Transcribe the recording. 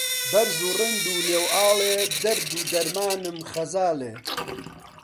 بەرز و ڕند و ڵێوئاڵێ دەرد و دەرمانم خەزاڵێ